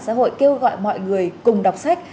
xã hội kêu gọi mọi người cùng đọc sách